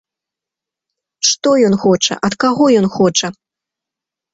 Што ён хоча, ад каго ён хоча?